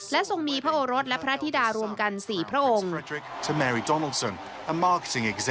ทรงมีพระโอรสและพระธิดารวมกัน๔พระองค์